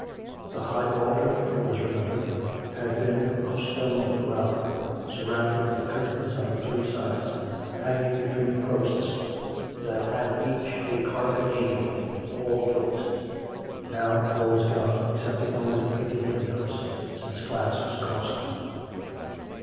The high altar, it was remembered, had been of stone throughout, surrounded with curtains on the three sides, hanging between posts that had each a carven angel, all gilt. Now all was gone, excepting only the painted windows (since glass was costly).